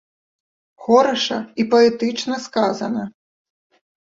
Хораша і паэтычна сказана!